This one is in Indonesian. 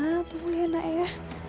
hena tunggu hena ya